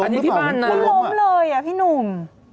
มันล้มเลยพี่หนุม